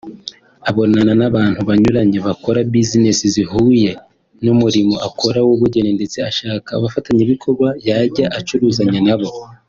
abonana n’abantu banyuranye bakora Business zihuye n’Umurimo akora w’Ubugeni ndetse ashaka abafatanyabikorwa yajya acuruzanya nabo